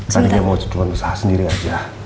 tadi dia mau ceduluan pesah sendiri aja